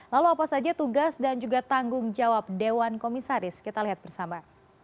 lalu apa saja tugas dan juga tanggung jawab dewan komisaris kita lihat bersama